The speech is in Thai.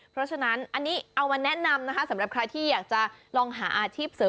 เพราะฉะนั้นอันนี้เอามาแนะนำนะคะสำหรับใครที่อยากจะลองหาอาชีพเสริม